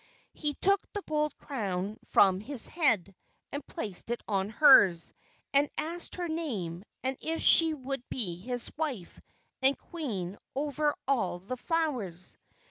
He took the gold crown from his head, and placed it on hers, and asked her name, and if she would be his wife, and Queen over all the flowers.